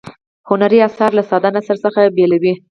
هنري نثر له ساده نثر څخه بیلوي.